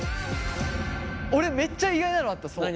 俺めっちゃ意外なのあった。